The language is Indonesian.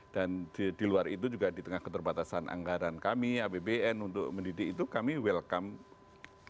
dan di luar itu juga di tengah keterbatasan anggaran kami abbn untuk mendidik itu kami welcome